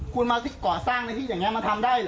คุณมาก่อสร้างในที่อย่างนี้มาทำได้เหรอ